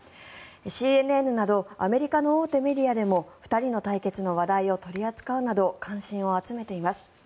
ＣＮＮなどアメリカの大手メディアでも２人の対決の話題を取り扱うなど関心を集めています。